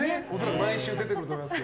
毎週、出てくると思います。